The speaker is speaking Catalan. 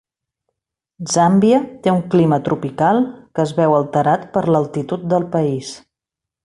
Zàmbia té un clima tropical que es veu alterat per l'altitud del país.